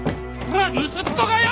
盗っ人がよ！